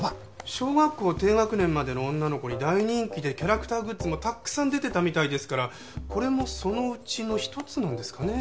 小学校低学年までの女の子に大人気でキャラクターグッズもたくさん出てたみたいですからこれもそのうちの一つなんですかね。